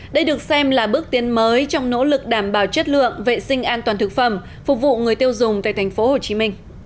đây được xem là bước tiến mới trong nỗ lực đảm bảo chất lượng vệ sinh an toàn thực phẩm phục vụ người tiêu dùng tại tp hcm